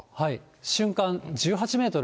瞬間１８メートル。